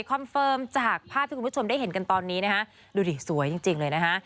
เฟิร์มจากภาพที่คุณผู้ชมได้เห็นกันตอนนี้นะฮะดูดิสวยจริงจริงเลยนะฮะ